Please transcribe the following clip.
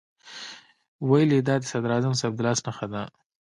ویل یې دا د صدراعظم صاحب د لاس نښه ده.